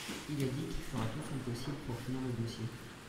il a dit qu'il fera tout son possible pour finir le dossier.